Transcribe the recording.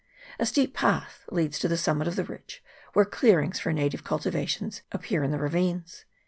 A steep path leads to the summit of the ridge, where clearings for native cultivations appear in the ravines.